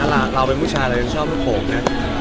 เราเป็นผู้ชายเรายังชอบลูกโขกนะ